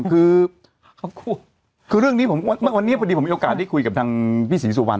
คือขอบคุณคือเรื่องนี้ผมว่าวันนี้พอดีผมมีโอกาสที่คุยกับทางพี่ศรีสุวรรณ